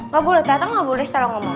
gak boleh tante gak boleh kalau ngomong